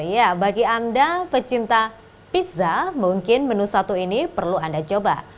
ya bagi anda pecinta pizza mungkin menu satu ini perlu anda coba